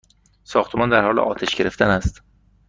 ساختمان در حال آتش گرفتن است!